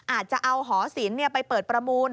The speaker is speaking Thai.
อาจจะเอาหอศิลป์ไปเปิดประมูล